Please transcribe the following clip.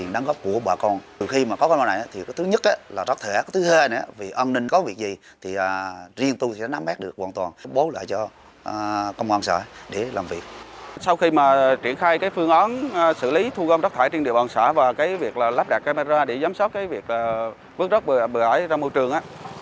sau khi triển khai phương án xử lý thu gom rác thải trên địa bàn xã và việc lắp đặt camera để giám sát việc vứt rác bờ bãi trong môi trường